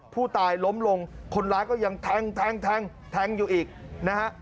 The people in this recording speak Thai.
ผู้ตายล้มลงคนร้ายก็ยังแทงแทงอยู่อีกนะฮะ